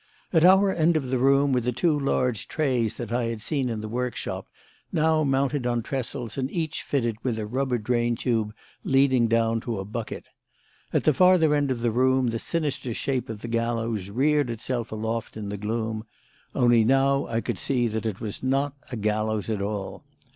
At our end of the room were the two large trays that I had seen in the workshop, now mounted on trestles and each fitted with a rubber drain tube leading down to a bucket. At the farther end of the room the sinister shape of the gallows reared itself aloft in the gloom; only now I could see that it was not a gallows at all.